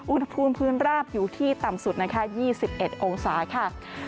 อุณหภูมิพื้นราบอยู่ที่ต่ำสุดนะคะ๒๑องศาค่ะ